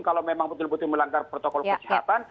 kalau memang betul betul melanggar protokol kesehatan